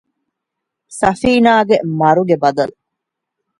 ސަފީނާގެ މަރުގެ ބަދަލު